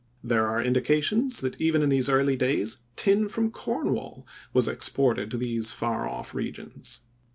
There are indications that even in these early days tin from Cornwall was exported to these far off regions.